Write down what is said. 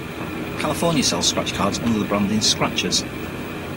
California sells scratch cards under the branding "Scratchers".